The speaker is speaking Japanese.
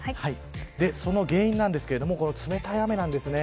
その原因なんですけどこの冷たい雨なんです。